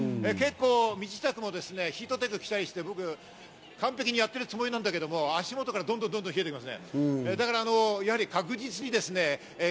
身支度もヒートテックを着たりして、完璧にやってるつもりなんだけども、足元からどんどん冷えてきます。